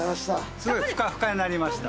すごいふかふかになりました。